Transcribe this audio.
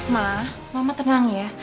ma mama tenang ya